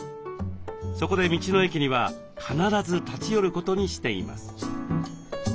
そこで道の駅には必ず立ち寄ることにしています。